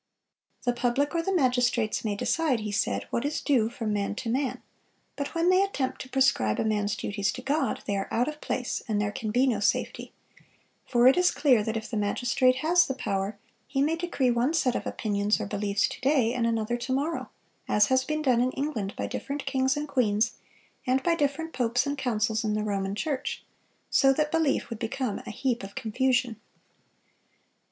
"The public or the magistrates may decide," he said, "what is due from man to man; but when they attempt to prescribe a man's duties to God, they are out of place, and there can be no safety; for it is clear that if the magistrate has the power, he may decree one set of opinions or beliefs to day and another to morrow; as has been done in England by different kings and queens, and by different popes and councils in the Roman Church; so that belief would become a heap of confusion."